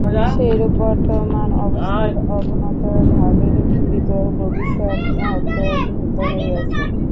সেইরূপ বর্তমান অবস্থার অবনত ভাবের ভিতর ভবিষ্যৎ মহত্ত্ব নিহিত রহিয়াছে।